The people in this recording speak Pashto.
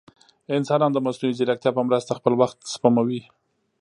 انسانان د مصنوعي ځیرکتیا په مرسته خپل وخت سپموي.